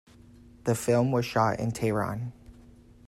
The film was shot in Tehran.